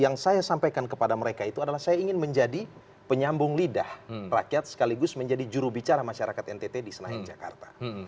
yang saya sampaikan kepada mereka itu adalah saya ingin menjadi penyambung lidah rakyat sekaligus menjadi jurubicara masyarakat ntt di senayan jakarta